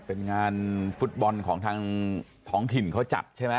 เป็นงานฟุตบอลของทางท้องถิ่นเขาจัดใช่ไหม